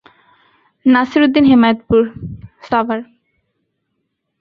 Nasir Uddin Hemayetpur, Savar.